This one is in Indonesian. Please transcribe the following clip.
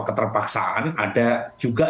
keterpaksaan ada juga